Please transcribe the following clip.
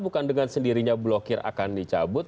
bukan dengan sendirinya blokir akan dicabut